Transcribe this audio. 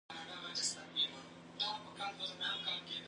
ایا په روغتون کې د ناروغانو درملنه په ښه توګه کېږي؟